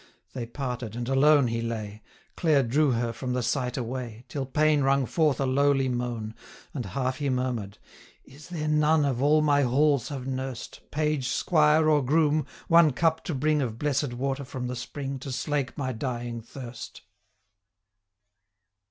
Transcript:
They parted, and alone he lay; Clare drew her from the sight away, 895 Till pain wrung forth a lowly moan, And half he murmur'd, 'Is there none, Of all my halls have nurst, Page, squire, or groom, one cup to bring Of blessed water from the spring, 900 To slake my dying thirst!'